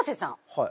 はい。